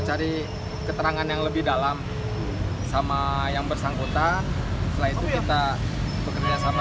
cari keterangan yang lebih dalam sama yang bersangkutan setelah itu kita bekerja sama